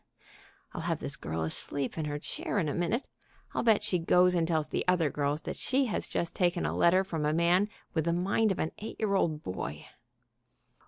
(I'll have this girl asleep in her chair in a minute. I'll bet that she goes and tells the other girls that she has just taken a letter from a man with the mind of an eight year old boy)....